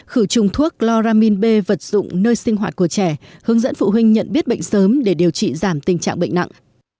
khử trùng thuốc chloramin b vật dụng nơi sinh hoạt của trẻ hướng dẫn phụ huynh nhận biết bệnh sớm để điều trị giảm tình trạng bệnh nặng